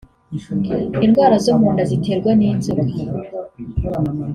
indwara zo mu nda ziterwa n’inzoka